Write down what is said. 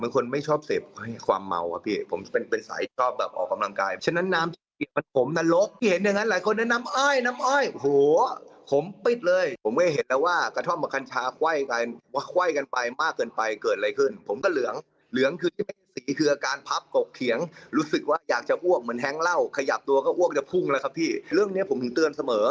ก็อวกจะพุ่งแล้วครับพี่เรื่องนี้ผมถึงเตือนเสมอ